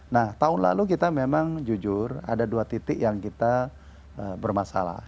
nah tahun lalu kita memang jujur ada dua titik yang kita bermasalah